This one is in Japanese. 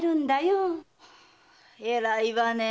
えらいわね。